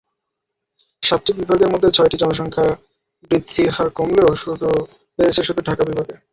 সাতটি বিভাগের মধ্যে ছয়টিতে জনসংখ্যা বৃদ্ধির হার কমলেও বেড়েছে শুধু ঢাকা বিভাগে।